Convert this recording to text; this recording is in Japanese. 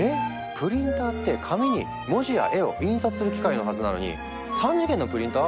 プリンターって紙に文字や絵を印刷する機械のはずなのに３次元のプリンター？